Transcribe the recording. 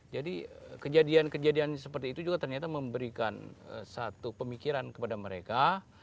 kejadian kejadian seperti itu juga ternyata memberikan satu pemikiran kepada mereka